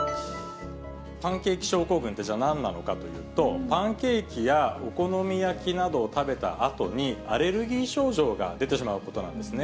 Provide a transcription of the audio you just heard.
パンケーキ症候群って、じゃあ、なんなのかというと、パンケーキやお好み焼きなどを食べたあとにアレルギー症状が出てしまうことなんですね。